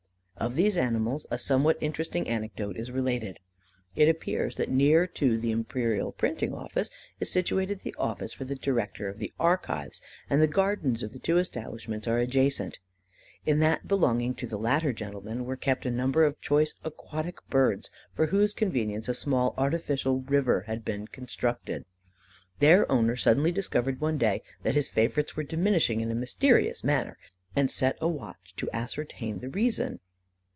Of these animals a somewhat interesting anecdote is related. It appears that near to the Imperial Printing Office is situated the office of the Director of the Archives, and the gardens of the two establishments are adjacent. In that belonging to the latter gentleman, were kept a number of choice aquatic birds, for whose convenience a small artificial river had been constructed. Their owner suddenly discovered, one day, that his favourites were diminishing in a mysterious manner, and set a watch to ascertain the reason.